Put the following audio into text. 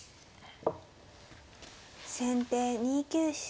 先手２九飛車。